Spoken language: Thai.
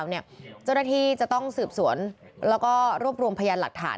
เจ้าหน้าที่จะต้องสืบสวนแล้วก็รวบรวมพยานหลักฐาน